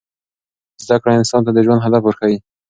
زده کړه انسان ته د ژوند هدف ورښيي.